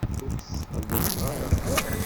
Ur k-ttqelliqeɣ ara.